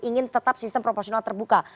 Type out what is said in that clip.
ingin tetap sistem proporsional terbuka